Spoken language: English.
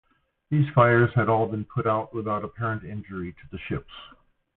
These fires had all been put out without apparent injury to the ships.